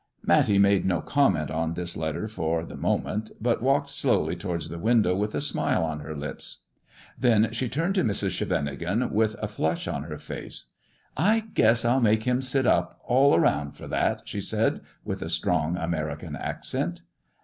" Matty made no comment on this letter for the moment, but walked slowly towards the window, with a smile on her lips. Then she turned to Mi s. Scheveningen with a flush on her face. I guess I'll make him sit up all round for that,'' she said, with a strong American accent.